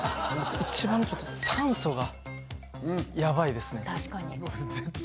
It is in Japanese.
１番ちょっと酸素がやばいですね